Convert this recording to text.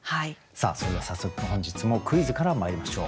さあそれでは早速本日もクイズからまいりましょう。